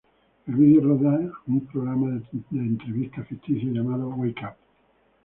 El video rodea un programa de entrevistas ficticio llamado "Wake Up!